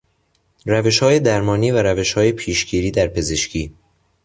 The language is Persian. روشهای درمانی و روشهای پیشگیری در پزشکی